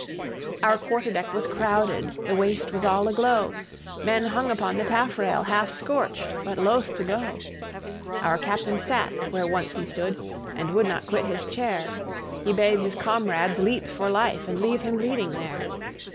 Our quarter deck was crowded, the waist was all aglow; Men hung upon the taffrail half scorched, but loth to go; Our captain sat where once he stood, and would not quit his chair. He bade his comrades leap for life, and leave him bleeding there.